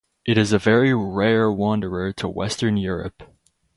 It is a very rare wanderer to western Europe.